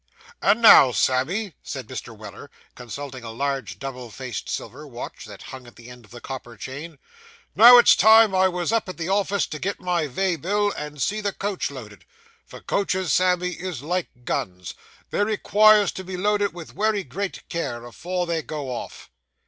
'And now, Sammy,' said Mr. Weller, consulting a large double faced silver watch that hung at the end of the copper chain. 'Now it's time I was up at the office to get my vay bill and see the coach loaded; for coaches, Sammy, is like guns they requires to be loaded with wery great care, afore they go off.